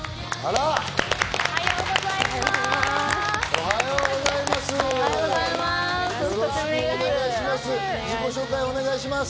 おはようございます。